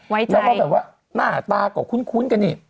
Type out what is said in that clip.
ไว้ใจแล้วก็แบบว่าหน้าตาก่อคุ้นกันเนี่ย